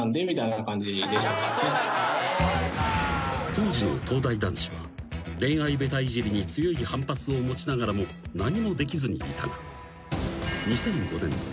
［当時の東大男子は恋愛下手イジりに強い反発を持ちながらも何もできずにいたが］